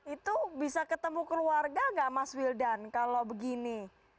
itu bisa ketemu keluarga nggak mas wildan kalau begini